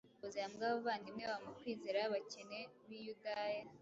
ngo zihambwe abavandimwe babo mu kwizera b’abakene b’i Yudaya.